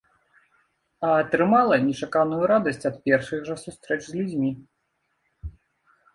А атрымала нечаканую радасць ад першых жа сустрэч з людзьмі.